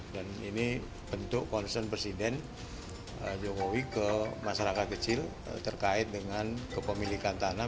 dan ini bentuk konsen presiden jokowi ke masyarakat kecil terkait dengan kepemilikan tanah